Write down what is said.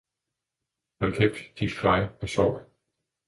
Hold kæft, dit kvaj, og sov!